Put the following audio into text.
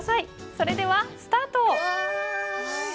それではスタート！